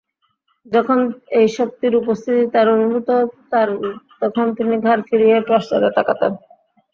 যখন এই শক্তির উপস্থিতি তাঁর অনুভূত হত তখন তিনি ঘাড় ফিরিয়ে পশ্চাতে তাকাতেন।